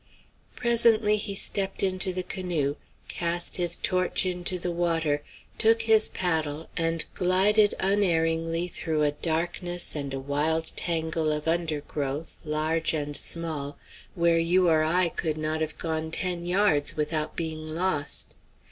Presently he stepped into the canoe, cast his torch into the water, took his paddle, and glided unerringly through a darkness and a wild tangle of undergrowth, large and small, where you or I could not have gone ten yards without being lost.